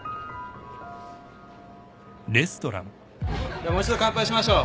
じゃもう一度乾杯しましょう。